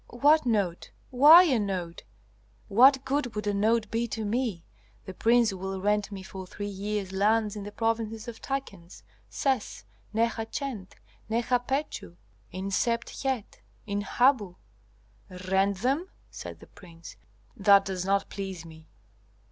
"What note? why a note? what good would a note be to me? The prince will rent me for three years lands in the provinces of Takens, Ses, Neha Chent, Neha Pechu, in Sebt Het, in Habu." "Rent them?" said the prince. "That does not please me."